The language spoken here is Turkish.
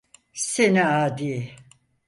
Seni adi!